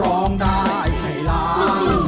ร้องได้ให้ล้าน